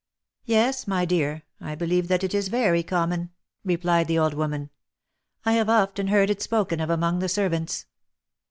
" Yes, my dear, I believe that it is very common," replied the old woman. " I have often heard it spoken of among the servants."